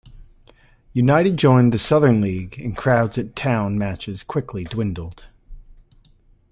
United joined the Southern League and crowds at Town matches quickly dwindled.